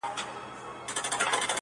پکښی ځای سوي دي -